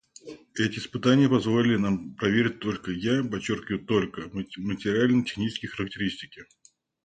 Эти испытания позволили нам проверить только — я подчеркиваю только — материально-технические характеристики.